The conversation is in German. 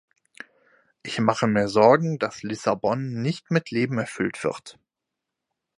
Ich mache mir Sorgen, dass Lissabon nicht mit Leben erfüllt wird.